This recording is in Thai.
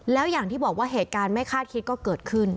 แล้วอย่างที่บอกว่าเหตุการณ์ไม่คาดคิดก็เกิดขึ้น